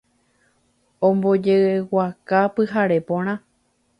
Ombojeguaka pyhare porã